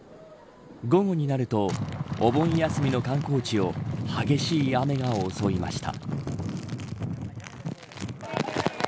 午後になるとお盆休みの観光地を激しい雨が襲いました。